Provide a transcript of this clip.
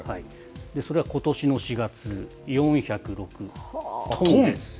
それがことしの４月、４０６トンです。